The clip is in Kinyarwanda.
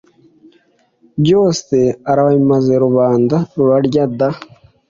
Byose arabimaze Rubanda rurarya da!